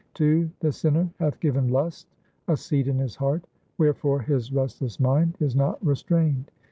II The sinner hath given lust a seat in his heart ; 1 Wherefore his restless mind is not restrained.